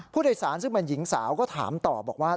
ผู้โดยสารซึ่งเป็นหญิงสาวก็ถามต่อบอกว่า